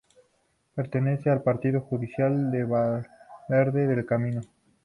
Pertenece al partido judicial de Valverde del Camino.